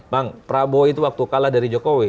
bang prabowo itu waktu kalah dari jokowi